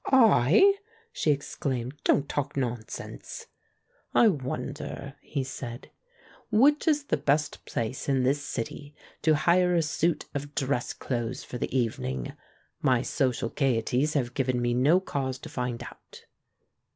"I?" she exclaimed. "Don't talk nonsense!" "I wonder," he said, "which is the best place in this city to hire a suit of dress clothes for the evening. ]My social gaieties have given me no cause to find out."